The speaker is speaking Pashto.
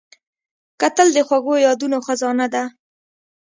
کتل د خوږو یادونو خزانه ده